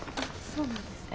そうなんですね。